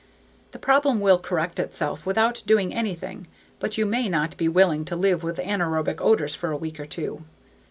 The problem will correct itself without doing anything but you may not be willing to live with anaerobic odors for a week or two.